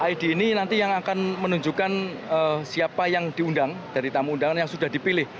id ini nanti yang akan menunjukkan siapa yang diundang dari tamu undangan yang sudah dipilih